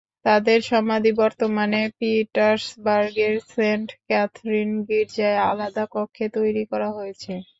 তাঁদের সমাধি বর্তমানে পিটার্সবার্গের সেন্ট ক্যাথরিন গির্জায় আলাদা কক্ষে তৈরি করা হয়েছে।